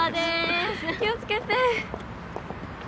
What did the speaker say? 気を付けて。